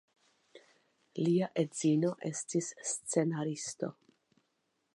Lia edzino estis scenaristo.